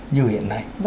như hiện nay